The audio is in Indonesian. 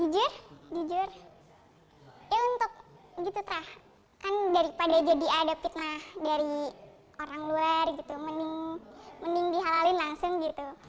jujur jujur ya untuk gitu kan daripada jadi ada fitnah dari orang luar mending dihalalin langsung